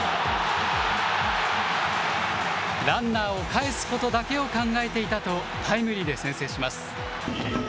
ランナーをかえすことだけを考えていたと、タイムリーで先制します。